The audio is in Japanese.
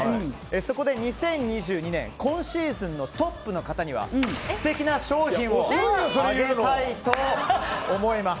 そこで２０２２年今シーズンのトップの方には素敵な商品をあげたいと思います。